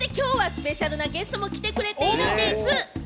そして今日はスペシャルなゲストも来てくれているんでぃす！